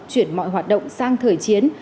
chuyển mọi hoạt động sang thời chiến